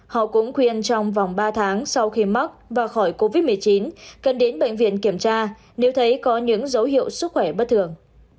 họ cũng khuyên trong vòng ba tháng sau khi mắc và khỏi covid một mươi chín cần đến bệnh viện kiểm tra nếu thấy có những dấu hiệu sức khỏe bất thường